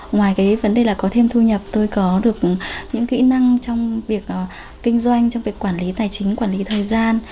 ngoài cái vấn đề là có thêm thu nhập tôi có được những kỹ năng trong việc kinh doanh trong việc quản lý tài chính quản lý thời gian